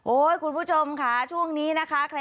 คุณผู้ชมค่ะช่วงนี้นะคะ